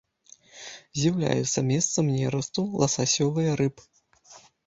З'яўляецца месцам нерасту ласасёвыя рыб.